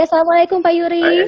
assalamu'alaikum pak yuri